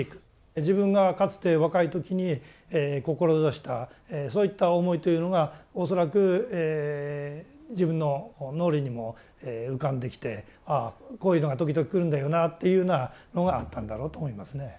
自分がかつて若い時に志したそういった思いというのが恐らく自分の脳裏にも浮かんできてああこういうのが時々来るんだよなというようなのがあったんだろうと思いますね。